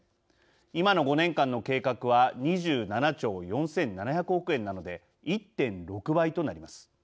今の５年間の計画は２７兆４，７００億円なので１．６倍となります。